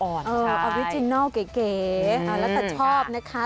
อริจินัลเก๋แล้วแต่ชอบนะคะ